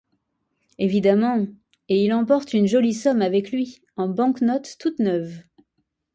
Évidemment, et il emporte une jolie somme avec lui, en bank-notes toutes neuves!